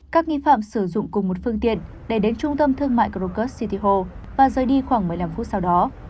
các nghi phạm sử dụng cùng một phương tiện để đến trung tâm thương mại krokus city hall và rời đi khoảng một mươi năm phút sau đó